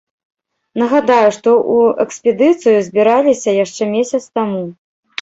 Нагадаю, што ў экспедыцыю збіраліся яшчэ месяц таму.